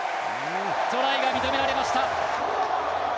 トライが認められました。